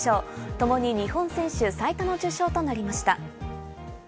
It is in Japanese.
共に日本選手最多の受賞となりました。